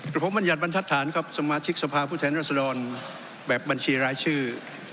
ครับผมบัญญัติบัญฑฐานครับสมาชิกสภาพุทธแห่งราษฎรแบบบัญชีรายชื่อ